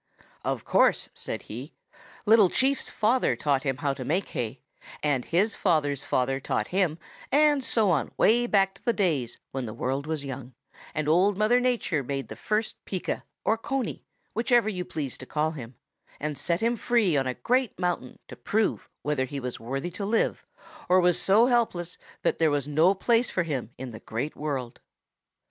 "Of course," said he, "Little Chief's father taught him how to make hay, and his father's father taught him, and so on way back to the days when the world was young and Old Mother Nature made the first Pika or Coney, whichever you please to call him, and set him free on a great mountain to prove whether he was worthy to live or was so helpless that there was no place for him in the Great World.